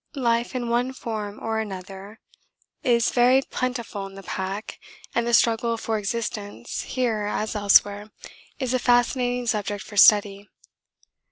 Life in one form or another is very plentiful in the pack, and the struggle for existence here as elsewhere is a fascinating subject for study.